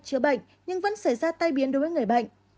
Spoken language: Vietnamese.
chữa bệnh nhưng vẫn xảy ra tai biến đối với người bệnh